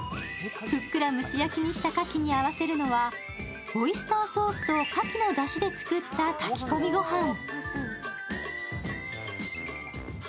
ふっくら蒸し焼きにしたカキに合わせるのはオイスターソースとカキのだしで作った炊き込み御飯。